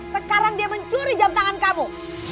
sekarang dia mencuri jam tangan kamu